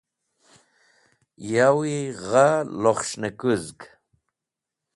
Ya wi gaha lokhs̃hnẽkũzg?